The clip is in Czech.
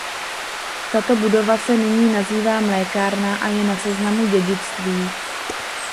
Tato budova se nyní nazývá mlékárna a je na seznamu dědictví.